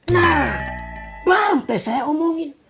nah baru deh saya omongin